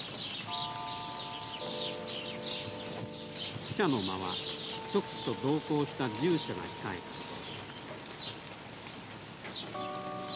使者の間は勅使と同行した従者が控えた所です。